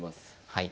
はい。